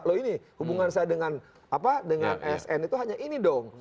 loh ini hubungan saya dengan sn itu hanya ini dong